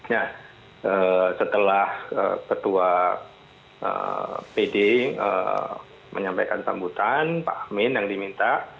ya setelah ketua pdi menyampaikan sambutan pak amin yang diminta